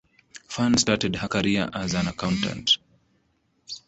Fan started her career as an accountant.